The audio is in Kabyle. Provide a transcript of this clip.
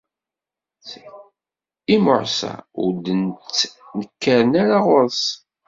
Imɛuṣa ur d-ttnekkaren ara ɣur-s.